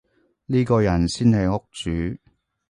呢個人先係屋主